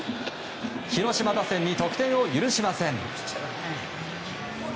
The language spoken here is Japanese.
広島打線に得点を許しません。